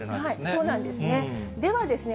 そうなんですね。